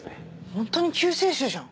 ホントに救世主じゃん。